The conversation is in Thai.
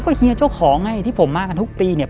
เฮียเจ้าของไงที่ผมมากันทุกปีเนี่ย